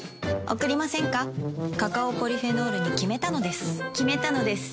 カカオポリフェノールに決めたのです決めたのです。